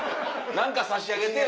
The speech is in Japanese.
何か差し上げてよ。